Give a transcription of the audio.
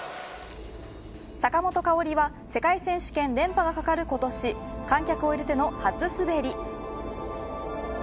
坂本花織は世界選手権連覇がかかる今年観客を入れての初滑り。